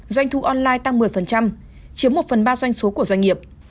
doanh thu online tăng một mươi chiếm một phần ba doanh số của doanh nghiệp